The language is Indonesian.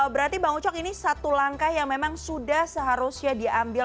jadi bang ucok ini satu langkah yang memang sudah seharusnya diambil